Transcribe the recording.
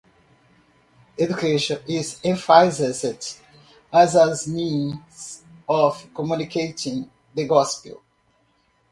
Education is emphasized as a means of communicating the Gospel.